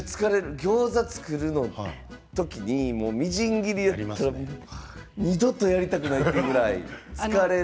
ギョーザを作る時にみじん切りで二度とやりたくないというぐらい疲れる。